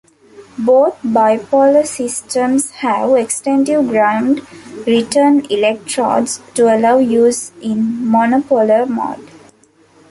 Both bipolar systems have extensive ground return electrodes to allow use in monopolar mode.